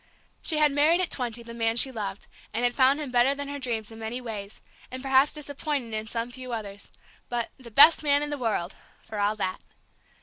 She had married, at twenty, the man she loved, and had found him better than her dreams in many ways, and perhaps disappointing in some few others, but "the best man in the world" for all that.